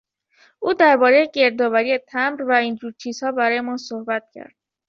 او دربارهی گرد آوری تمبر و این جور چیزها برایمان صحبت کرد.